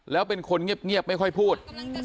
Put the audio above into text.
แล้วเป็นคนเงียบไม่ค่อยพูด